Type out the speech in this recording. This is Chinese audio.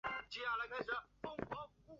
长穗虫实是苋科虫实属的植物。